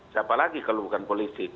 siapa lagi kalau bukan politik